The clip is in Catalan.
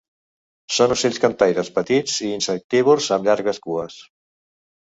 Són ocells cantaires petits i insectívors, amb llargues cues.